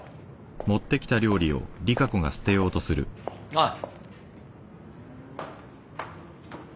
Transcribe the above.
おい。